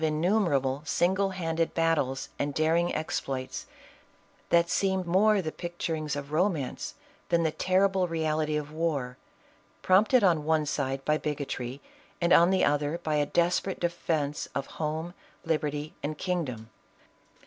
innumerable single handed battles and daring exploits, that seem more the picturings of romance than the ter rible reality of war, prompted on one side by bigotry and on the other by a desperate defence of home, lib erty and kingdom.